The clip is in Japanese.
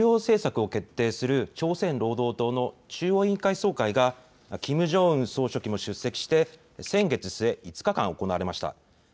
北朝鮮では重要政策を決定する朝鮮労働党の中央委員会総会がキム・ジョンウン総書記も出席して先月末、５日間行われました。